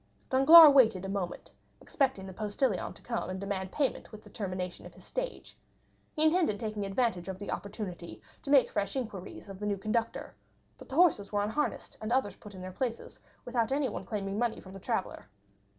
Danglars waited a moment, expecting the postilion to come and demand payment with the termination of his stage. He intended taking advantage of the opportunity to make fresh inquiries of the new conductor; but the horses were unharnessed, and others put in their places, without anyone claiming money from the traveller.